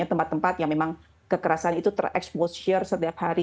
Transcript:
atau dengan kawasan yang memang kekerasan itu ter exposure setiap hari